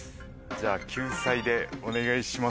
じゃあ救済でお願いします。